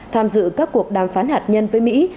tham dự các cuộc đàm phán hạt nhân với mỹ